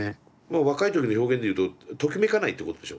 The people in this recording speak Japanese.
若い時の表現で言うとときめかないってことでしょ？